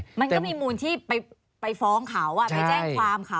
มันก็มีมูลที่ไปฟ้องเขาไปแจ้งความเขา